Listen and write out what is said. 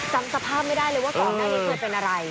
จำสภาพไม่ได้เลยว่าก่อนหน้านี้เคยเป็นอะไร